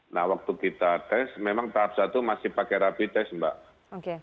nah waktu kita tes memang tahap satu masih pakai rapid test mbak